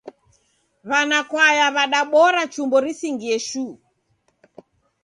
Wanakwaya wadabora chumbo risingie shuu.